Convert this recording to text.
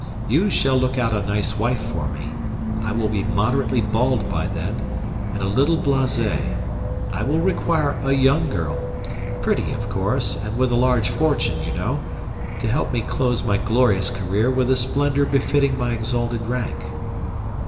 You shall look out a nice wife for me. I will be moderately bald by then, and a little blasé; I will require a young girl pretty, of course, and with a large fortune, you know, to help me close my glorious career with the splendour befitting my exalted rank."